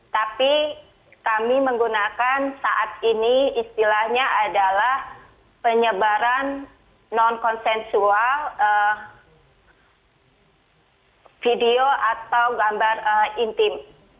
tapi kami menggunakan saat ini istilahnya adalah penyebaran non konsensual video atau gambar intim